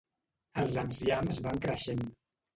Els enciams van creixent